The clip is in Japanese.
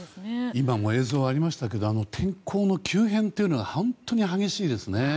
今も映像にありましたけど天候の急変というのは本当に激しいですね。